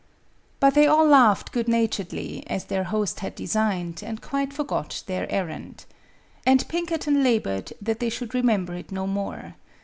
But they all laughed good naturedly, as their host had designed, and quite forgot their errand. And Pinkerton labored that they should remember it no more.